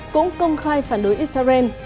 cũng công khai phản đối israel